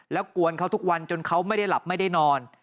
แล้วกวนเขาทุกวันจนเขาไม่ได้หลับไม่ได้นอน